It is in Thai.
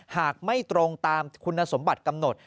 หากไม่ตรงตามคุณสมบัติกำหนด